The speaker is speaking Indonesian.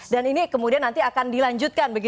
dan ini kemudian nanti akan dilanjutkan